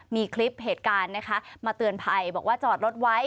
มีคลิปเหตุการณ์นะคะมาเตือนภัยบอกว่าจอดรถไว้